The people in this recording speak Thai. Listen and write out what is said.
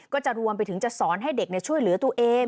ก็จะรวมไปถึงจะสอนให้เด็กช่วยเหลือตัวเอง